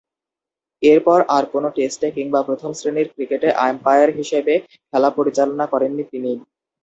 এরপর আর কোন টেস্টে কিংবা প্রথম-শ্রেণীর ক্রিকেটে আম্পায়ার হিসেবে খেলা পরিচালনা করেননি তিনি।